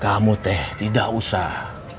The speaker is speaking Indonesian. kamu teh tidak usah